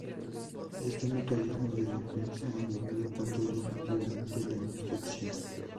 Este mecanismo de defensa a menudo controla efectivamente la infección"".